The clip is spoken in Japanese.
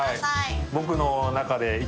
僕の中で。